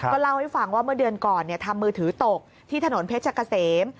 เล่าให้ฟังว่าเมื่อเดือนก่อนทำมือถือตกที่ถนนเพชรเกษม